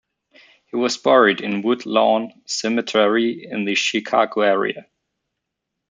He was buried in Woodlawn Cemetery in the Chicago area.